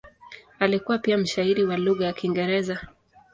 Alikuwa pia mshairi wa lugha ya Kiingereza.